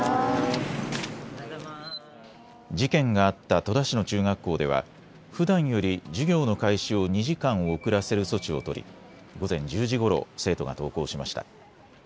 事件があった戸田市の中学校ではふだんより授業の開始を２時間遅らせる措置を取り午前１０時ごろ生徒が登校しました。